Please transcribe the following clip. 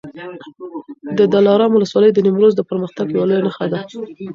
د دلارام ولسوالي د نیمروز د پرمختګ یوه لویه نښه ده.